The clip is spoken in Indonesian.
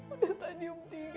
umi stadium tinggi